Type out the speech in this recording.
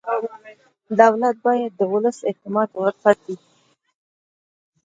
دولت باید د ولس اعتماد وساتي.